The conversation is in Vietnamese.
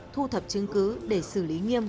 thu thập chứng cứ để xử lý nghiêm